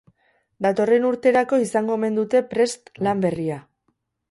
Datorren urterako izango omen dute prest lan berria.